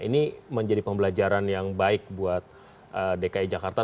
ini menjadi pembelajaran yang baik buat dki jakarta